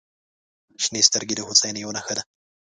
• شنې سترګې د هوساینې یوه نښه ده.